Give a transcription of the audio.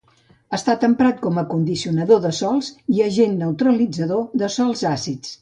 Ha estat emprat com a condicionador de sòls i agent neutralitzador de sòls àcids.